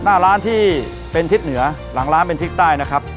หน้าร้านที่เป็นทิศเหนือหลังร้านเป็นทิศใต้นะครับ